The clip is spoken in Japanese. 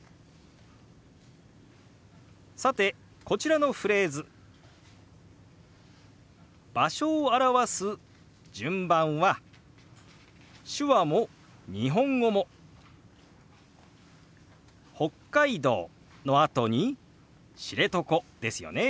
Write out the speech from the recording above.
さてこちらのフレーズ場所を表す順番は手話も日本語も「北海道」のあとに「知床」ですよね。